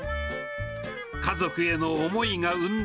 家族への思いが生んだ